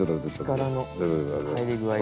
力の入り具合が。